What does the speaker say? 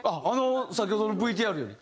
先ほどのＶＴＲより？